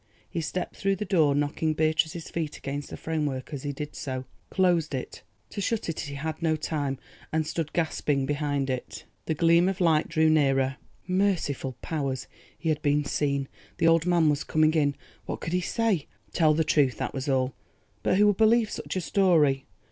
He stepped through the door, knocking Beatrice's feet against the framework as he did so, closed it—to shut it he had no time—and stood gasping behind it. The gleam of light drew nearer. Merciful powers! he had been seen—the old man was coming in. What could he say? Tell the truth, that was all; but who would believe such a story?